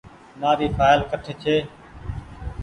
مآريِ ڦآئل ڪٺ ڇي۔